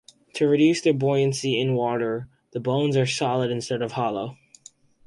To reduce their buoyancy in water, the bones are solid instead of hollow.